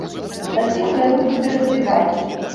І паціху яно будзе развівацца.